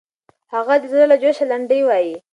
هغه د زړه له جوشه لنډۍ وایي.